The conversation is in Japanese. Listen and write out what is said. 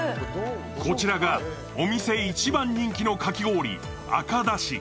こちらがお店一番人気のかき氷、赤だし。